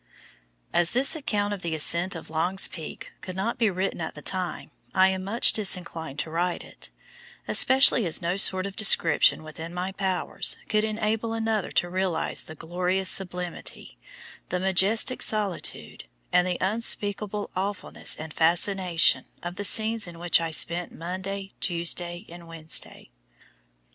As this account of the ascent of Long's Peak could not be written at the time, I am much disinclined to write it, especially as no sort of description within my powers could enable another to realize the glorious sublimity, the majestic solitude, and the unspeakable awfulness and fascination of the scenes in which I spent Monday, Tuesday, and Wednesday.